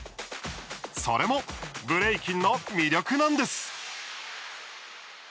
それもブレイキンの魅力なんです。